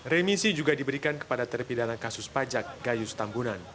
remisi juga diberikan kepada terpidana kasus pajak gayus tambunan